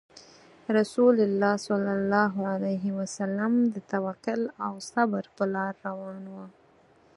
رسول الله صلى الله عليه وسلم د توکل او صبر په لار روان وو.